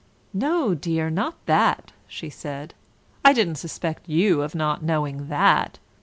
"No, dear, not that," she said. "I didn't suspect you of not knowing that.